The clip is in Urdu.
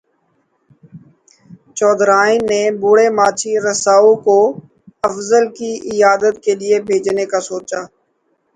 چودھرائن نے بوڑھے ماچھی رساؤ کو افضل کی عیادت کے لیے بھیجنے کا سوچا